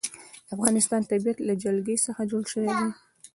د افغانستان طبیعت له جلګه څخه جوړ شوی دی.